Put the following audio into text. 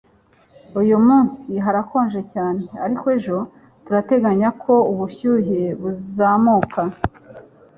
uyu munsi harakonje cyane, ariko ejo turateganya ko ubushyuhe buzamuka